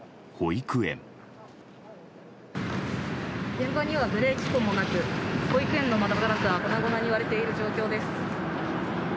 現場にはブレーキ痕もなく保育園の窓ガラスは粉々に割れている状況です。